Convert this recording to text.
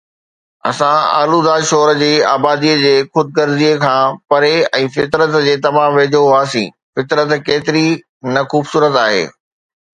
اسان آلوده شور جي آباديءَ جي خود غرضيءَ کان پري ۽ فطرت جي تمام ويجهو هئاسين، فطرت ڪيتري نه خوبصورت آهي.